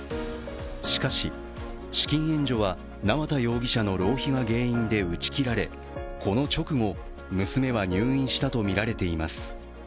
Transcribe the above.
しかし、資金援助は縄田容疑者の浪費が原因で打ち切られこの直後、娘は入院したとみられています。